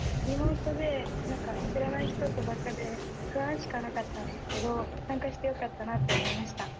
リモートで知らない人とばっかで不安しかなかったんですけど参加してよかったなって思いました。